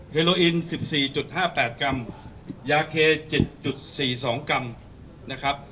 โลอิน๑๔๕๘กรัมยาเค๗๔๒กรัมนะครับ